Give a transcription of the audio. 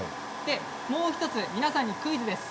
もう１つ皆さんにクイズです。